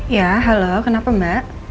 ya halo kenapa mbak